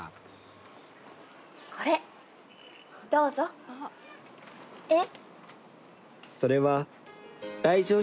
これどうぞ。えっ？あっ。